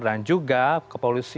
dan juga menembak dari almarhum yosua